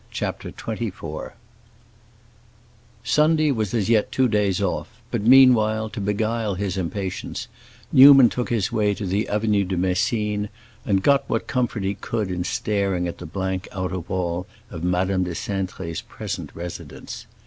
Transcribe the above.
CHAPTER XXIV Sunday was as yet two days off; but meanwhile, to beguile his impatience, Newman took his way to the Avenue de Messine and got what comfort he could in staring at the blank outer wall of Madame de Cintré's present residence.